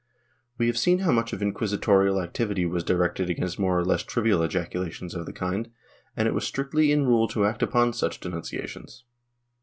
We have seen how much of inquisitorial activity was directed against more or less trivial ejaculations of the kind, and it was strictly in rule to act upon such denunciations.